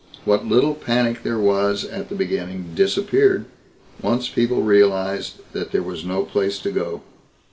What little panic there was at the beginning disappeared once people realized that there was no place to go.